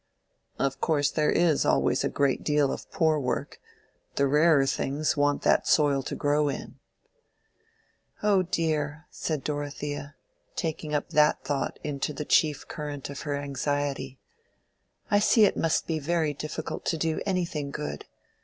"Of course there is always a great deal of poor work: the rarer things want that soil to grow in." "Oh dear," said Dorothea, taking up that thought into the chief current of her anxiety; "I see it must be very difficult to do anything good.